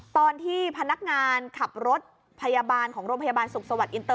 ตอนที่พนักงานขับรถพยาบาลของโรงพยาบาลสุขสวัสดิอินเต